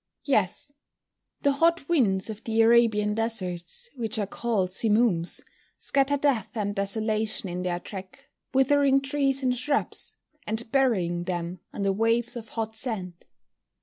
_ Yes. The hot winds of the Arabian deserts, which are called simooms, scatter death and desolation in their track, withering trees and shrubs, and burying them under waves of hot sand.